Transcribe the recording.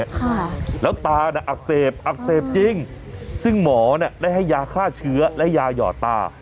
ค่ะแล้วตาน่ะอักเสบอักเสบจริงซึ่งหมอน่ะได้ให้ยาฆ่าเชื้อและยาหยอดตา